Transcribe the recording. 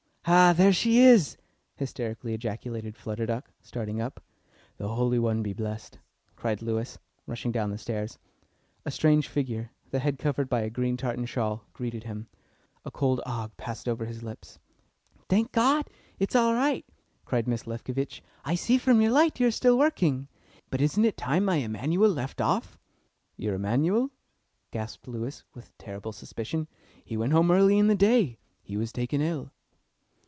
"Ah, there she is!" hysterically ejaculated Flutter Duck, starting up. "The Holy One be blessed!" cried Lewis, rushing down the stairs. A strange figure, the head covered by a green tartan shawl, greeted him. A cold ague passed over his limbs. "Thank God, it's all right," said Mrs. Lefkovitch. "I see from your light you are still working; but isn't it time my Emanuel left off?" "Your Emanuel?" gasped Lewis, with a terrible suspicion. "He went home early in the day; he was taken ill."